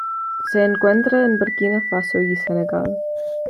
Se encuentra en Burkina Faso y Senegal.